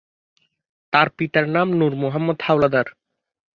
তার পিতার নাম নুর মোহাম্মাদ হাওলাদার।